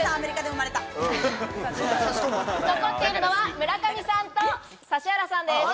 残っているのは村上さんと指原さんです。